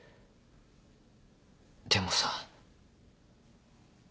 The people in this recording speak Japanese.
でもさ。